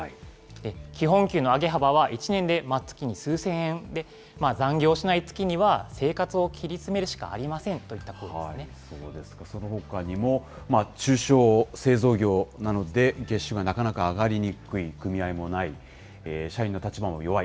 基本給の上げ幅は一年で月に数千円で、残業しない月には生活を切り詰めるしかありませんといったそうですか、そのほかにも中小製造業なので月収がなかなか上がりにくい、組合もない、社員の立場も弱い。